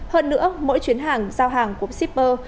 giữa mỗi chuyến hàng giao hàng của shipper